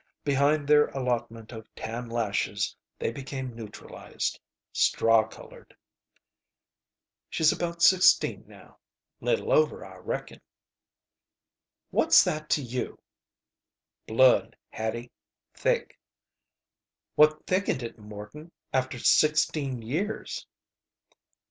Behind their allotment of tan lashes they became neutralized. Straw colored. "She's about sixteen now. Little over, I reckon." "What's that to you?" "Blood, Hattie. Thick." "What thickened it, Morton after sixteen years?"